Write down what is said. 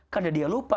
karena dia lupa